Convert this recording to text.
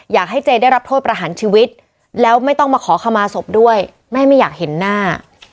เจได้รับโทษประหารชีวิตแล้วไม่ต้องมาขอขมาศพด้วยแม่ไม่อยากเห็นหน้า